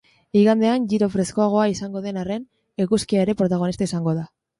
Igandean giro freskoagoa izango den arren, eguzkia ere protagonista izango da.